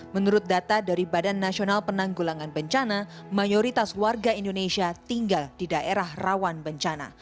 menurut data dari badan nasional penanggulangan bencana mayoritas warga indonesia tinggal di daerah rawan bencana